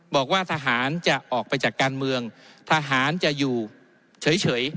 บอกว่าทหารจะออกไปจากการเมืองทหารจะอยู่เฉย